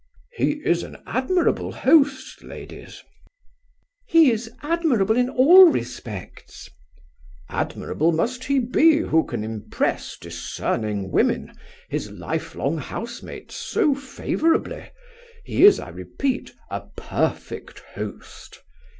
"He is an admirable host, ladies." "He is admirable in all respects." "Admirable must he be who can impress discerning women, his life long housemates, so favourably. He is, I repeat, a perfect host."